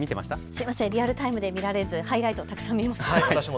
すみません、リアルタイムで見られずハイライトで見ました。